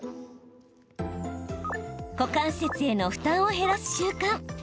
股関節への負担を減らす習慣。